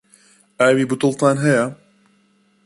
ئاوی بوتڵتان هەیە؟